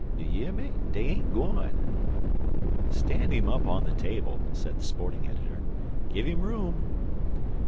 You year me, dey ain't gwine." "Stand him up on the table," said the Sporting editor; "give him room."